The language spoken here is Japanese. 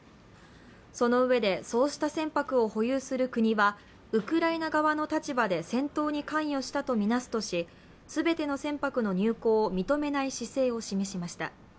そのうえで、そうした船舶を保有する国はウクライナ側の立場で戦闘に関与したとみなすとし全ての船舶の入港を認めない姿勢を示しました。